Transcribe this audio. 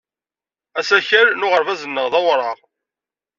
Asakal n uɣerbaz-nneɣ d awraɣ.